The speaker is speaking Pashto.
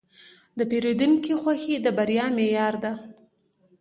د پیرودونکي خوښي د بریا معیار دی.